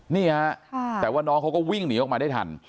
นี่ฮะแต่ว่าน้องเขาก็วิ่งหนีออกมาได้ทัน